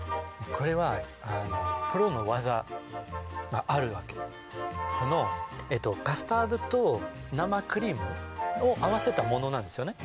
これはプロの技があるわけこのカスタードと生クリームを合わせたものなんですよね